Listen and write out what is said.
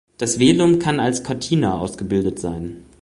Das Velum kann als Cortina ausgebildet sein.